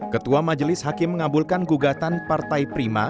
ketua majelis hakim mengabulkan gugatan partai prima